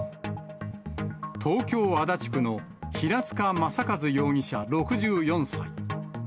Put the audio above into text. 東京・足立区の平塚雅一容疑者６４歳。